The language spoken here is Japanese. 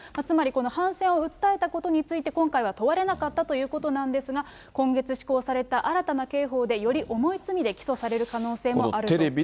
つまりこの反戦を訴えたことについて今回は問われなかったということなんですが、今月施行された新たな刑法でより重い罪で起訴される可能性もあると。